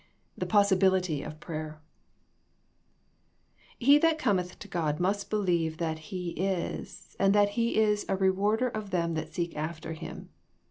THE POSSIBILITY OF PRAYER *' Re that comeih to God must believe that He is, and that He is a rewarder of them that seek after Him.